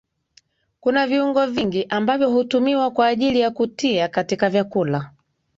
Kuna viungo vingi ambavyo hutumiwa kwa ajili ya kutia katika vyakula